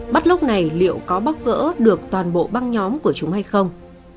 bắt lúc này liệu có bóc gỡ được toàn bộ băng nhóm của chúng hay không